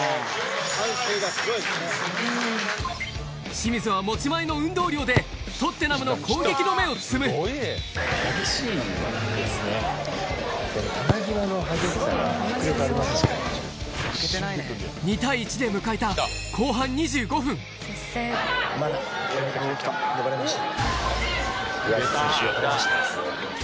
清水は持ち前の運動量でトッテナムの攻撃の芽を摘む２対１で迎えた後半２５分マナ呼ばれました。